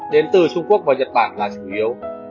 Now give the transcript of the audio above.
đến từ trung quốc và nhật bản là chủ yếu